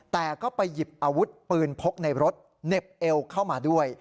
แต่ก็ไปหยิบอาวุธปืนพกในรถเหน็บเอวเข้ามาด้วย